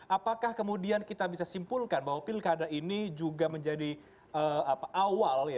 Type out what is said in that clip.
apakah kemudian kita bisa simpulkan bahwa pilkada ini juga menjadi awal